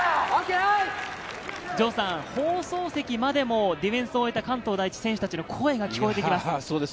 放送席までもディフェンスを終えた関東第一選手の声が聞こえてきます。